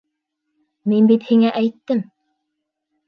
Мин бит һиңә әйттем!